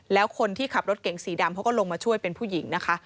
แล้วคนที่ขับรถเก่งสีดำเขาก็ลงมาช่วยเป็นผู้หญิงนะคะ